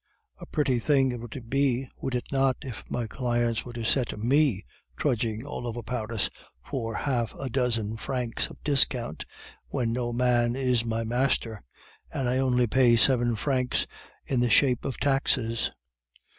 A pretty thing it would be, would it not, if my clients were to set me trudging all over Paris for half a dozen francs of discount, when no man is my master, and I only pay seven francs in the shape of taxes?